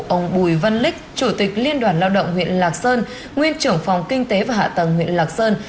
ông bùi văn lích chủ tịch liên đoàn lao động huyện lạc sơn nguyên trưởng phòng kinh tế và hạ tầng huyện lạc sơn